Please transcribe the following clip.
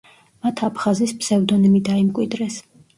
მათ აფხაზის ფსევდონიმი დაიმკვიდრეს.